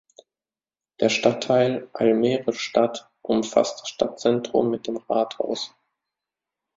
Der Stadtteil "Almere Stad" umfasst das Stadtzentrum mit dem Rathaus.